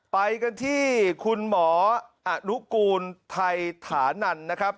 ไปกันที่คุณหมออนุกูลไทยถานันนะครับ